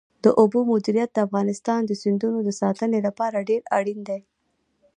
د اوبو مدیریت د افغانستان د سیندونو د ساتنې لپاره ډېر اړین دی.